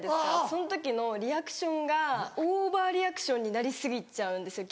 その時のリアクションがオーバーリアクションになり過ぎちゃうんですよ